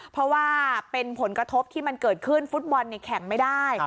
เพราะว่าเป็นผลกระทบที่มันเกิดขึ้นฟุตบอลแข่งไม่ได้